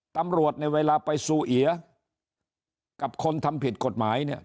ตำรวจในเวลาไปซูเอียกับคนทำผิดกฎหมายเนี่ย